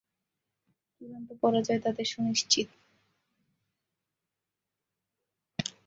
চুড়ান্ত পরাজয় তাদের সুনিশ্চিত।